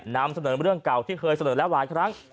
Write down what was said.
นำเสนอเรื่องเก่าที่เคยเสนอแล้วหลายครั้ง